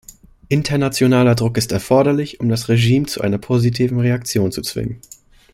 Internationaler Druck ist erforderlich, um das Regime zu einer positiven Reaktion zu zwingen.